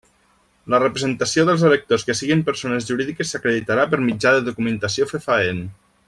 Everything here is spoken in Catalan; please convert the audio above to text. La representació dels electors que siguen persones jurídiques s'acreditarà per mitjà de documentació fefaent.